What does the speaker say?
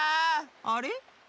あれ？